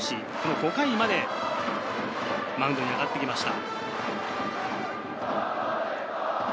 ５回までマウンドに上がってきました。